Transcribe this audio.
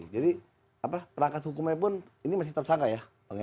jadi perangkat hukumnya pun ini masih tersangka ya